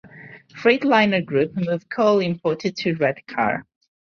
Freightliner Group move coal imported through Redcar.